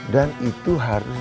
dan itu harus